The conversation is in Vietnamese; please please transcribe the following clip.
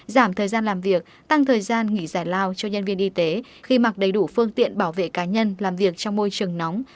giảm thời gian làm việc tăng thời gian nghỉ giải lao cho nhân viên y tế khi mặc đầy đủ phương tiện bảo vệ cá nhân làm việc trong môi trường nóng